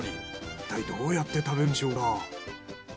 いったいどうやって食べるんでしょうか。